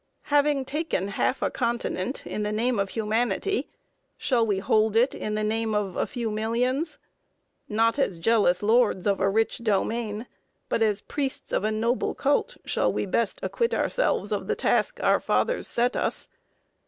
Having taken half a continent in the name of humanity, shall we hold it in the name of a few millions? Not as jealous lords of a rich domain, but as priests of a noble cult shall we best acquit ourselves of the task our Fathers set us.